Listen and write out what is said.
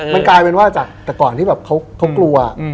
มันกลายเป็นว่าจากแต่ก่อนที่แบบเขากลัว